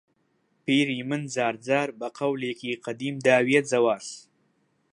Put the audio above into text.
پیری من جار جار بە قەولێکی قەدیم داویە جەواز